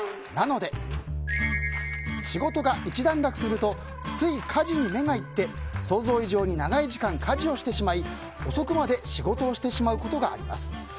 なので、仕事が一段落するとつい家事に目がいって想像以上に長い時間家事をしてしまい遅くまで仕事をしてしまうことがあります。